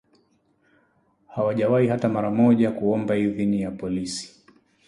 Hawajawahi hata mara moja kuomba idhini kwa polisi